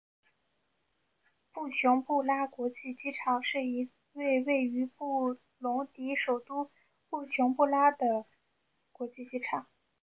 布琼布拉国际机场是一位位于布隆迪首都布琼布拉的国际机场。